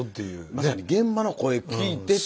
まさに現場の声聞いてっていう。